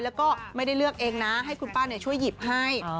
แล้วก็ไม่ได้เลือกเองนะให้คุณป้าช่วยหยิบให้